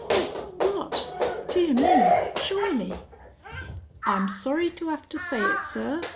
"But what...? Dear me! Surely!" "I'm sorry to 'ave to say it, sir.